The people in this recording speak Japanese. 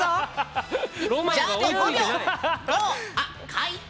書いた。